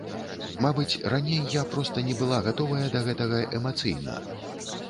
Мабыць, раней я проста не была гатовая да гэтага эмацыйна.